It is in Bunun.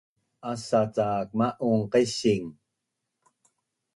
Asa cak ma’un qaising